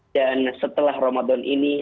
dan setelah ramadan ini